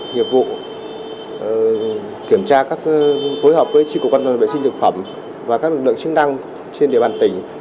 nghiệp vụ kiểm tra phối hợp với tri cục an toàn vệ sinh thực phẩm và các lực lượng chức năng trên địa bàn tỉnh